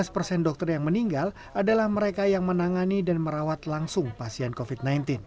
lima belas persen dokter yang meninggal adalah mereka yang menangani dan merawat langsung pasien covid sembilan belas